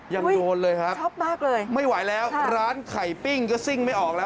ยังโดนเลยครับช็อกมากเลยไม่ไหวแล้วร้านไข่ปิ้งก็ซิ่งไม่ออกแล้ว